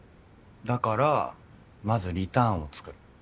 だからまずリターンを作る。